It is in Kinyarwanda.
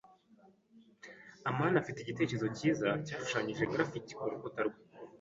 amani afite igitekerezo cyiza cyashushanyije graffiti kurukuta rwe.